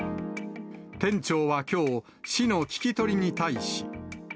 店長はきょう、市の聞き取りに対し。